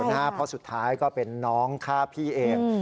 เพราะสุดท้ายก็เป็นน้องฆ่าพี่เอง